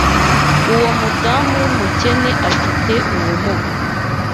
Uwo mudamu wumukene afite ubumuga.